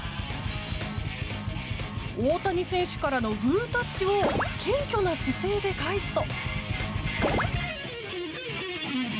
大谷選手からのグータッチを謙虚な姿勢で返すと。